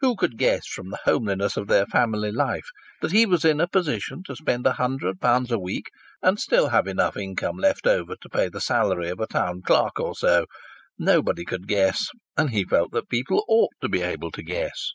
Who could guess from the homeliness of their family life that he was in a position to spend a hundred pounds a week and still have enough income left over to pay the salary of a town clerk or so? Nobody could guess; and he felt that people ought to be able to guess.